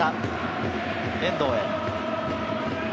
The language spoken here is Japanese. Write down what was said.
遠藤へ。